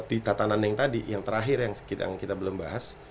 seperti tata nandang tadi yang terakhir yang kita belum bahas